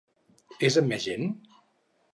És amb més gent?